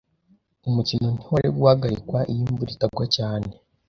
Umukino ntiwari guhagarikwa iyo imvura itagwa cyane.